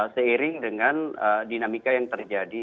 seiring dengan dinamika yang terjadi